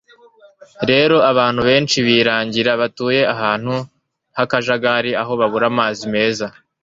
Rero abantu benshi birangira batuye ahantu h'akajagari aho babura amazi meza